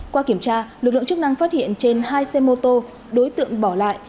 qua kiểm tra lực lượng chức năng phát hiện trên hai xe mô tô đối tượng bỏ lại